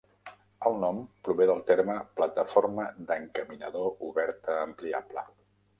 El nom prové del terme "Plataforma d'encaminador oberta ampliable".